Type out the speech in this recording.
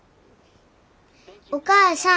お母さん。